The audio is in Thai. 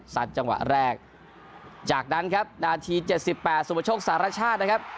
สัดจังหวะแรกจากนั้นครับนาทีเจ็ดสิบแปดสุมาชโชคศาสตร์ราชาตินะครับ